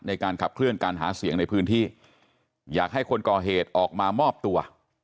ในการขับเคลื่อนการหาเสียงในพื้นที่อยากให้คนก่อเหตุออกมามอบตัว